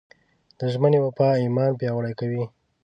د ژمنې وفا ایمان پیاوړی کوي.